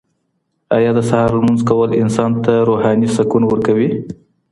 ایا د سهار لمونځ کول انسان ته روحاني سکون ورکوي؟